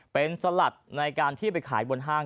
เป็นสลัดในการที่ไปขายบนห้าง